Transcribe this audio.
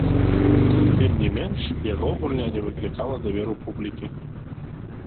Тым не менш, яго гульня не выклікала даверу публікі.